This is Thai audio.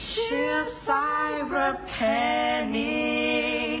เชื่อสายรับแผนนี้